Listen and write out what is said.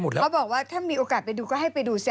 เขาบอกว่าถ้ามีโอกาสไปดูก็ให้ไปดูซิ